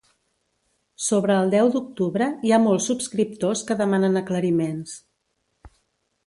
Sobre el deu d’octubre hi ha molts subscriptors que demanen aclariments.